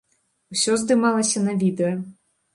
Усё здымалася на відэа.